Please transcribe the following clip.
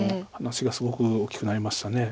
話がすごく大きくなりました。